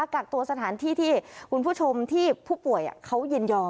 กักตัวสถานที่ที่คุณผู้ชมที่ผู้ป่วยเขายินยอม